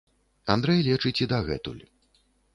Андрэй лечыць і дагэтуль.